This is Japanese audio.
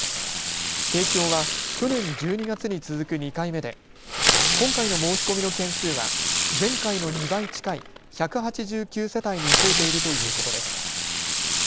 提供は去年１２月に続く２回目で今回の申し込みの件数は前回の２倍近い１８９世帯に増えているということです。